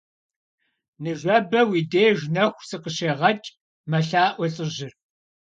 Ныжэбэ уи деж нэху сыкъыщегъэкӀ, - мэлъаӀуэ лӀыжьыр.